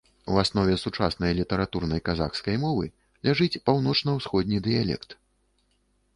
У аснове сучаснай літаратурнай казахскай мовы ляжыць паўночна-ўсходні дыялект.